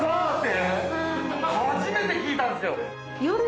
初めて聞いたんすけど！